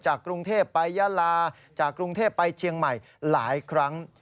กรุงเทพไปยาลาจากกรุงเทพไปเชียงใหม่หลายครั้ง